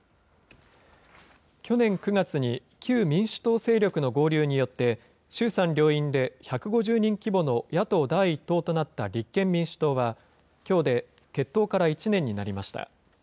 去年９月に旧民主党勢力の合流によって、衆参両院で１５０人規模の野党第１党となった立憲民主党は、きょうで結党から１年になりました。